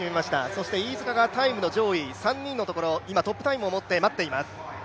そして飯塚がタイムの上位３人のところ今トップタイムを持って待っています。